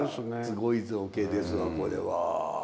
すごい造形ですわこれは。